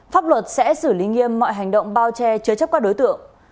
pháp luật sẽ xử lý nghiêm mọi hành động bao che chứa chấp các đối tượng